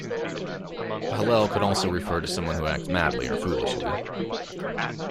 "Hallel" could also refer to someone who acts madly or foolishly.